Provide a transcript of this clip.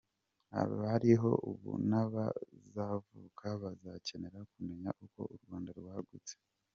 Abariho ubu n’abazavuka bazakenera kumenya uko u Rwanda rwagutse.